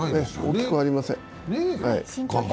大きくありません。